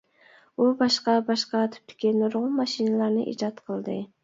ئۇ باشقا-باشقا تىپتىكى نۇرغۇن ماشىنىلارنى ئىجاد قىلدى.